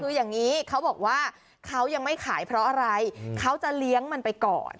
คืออย่างนี้เขาบอกว่าเขายังไม่ขายเพราะอะไรเขาจะเลี้ยงมันไปก่อน